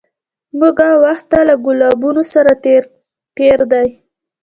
موږه وخت له ګلابونو سره تېر دی